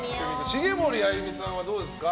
茂森あゆみさんはどうですか？